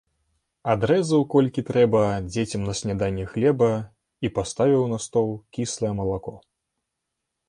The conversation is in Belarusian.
Адрэзаў, колькі трэба, дзецям на снеданне хлеба і паставіў на стол кіслае малако.